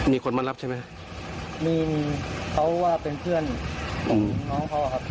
มีคนมารับใช่ไหมมีมีเขาว่าเป็นเพื่อนของน้องเขาอะครับ